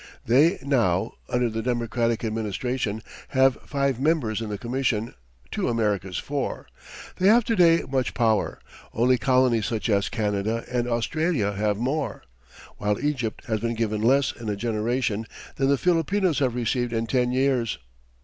They now, under the Democratic Administration, have five members in the Commission, to America's four. They have to day much power only colonies such as Canada and Australia have more, while Egypt has been given less in a generation than the Filipinos have received in ten years.